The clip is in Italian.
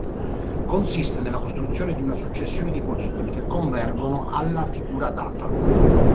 Consiste nella costruzione di una successione di poligoni che convergono alla figura data.